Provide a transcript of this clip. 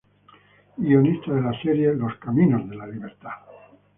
Y guionista de la serie "Los caminos de la libertad".